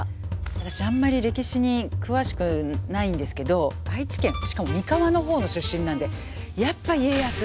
私あんまり歴史に詳しくないんですけど愛知県しかも三河の方の出身なんでやっぱり家康松潤！